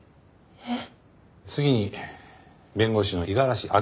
えっ！？